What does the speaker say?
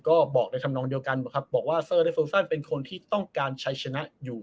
ก็บอกในคำนองเดียวกันนะครับบอกว่าเป็นคนที่ต้องการใช้ชนะอยู่